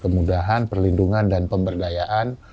kemudahan perlindungan dan pemberdayaan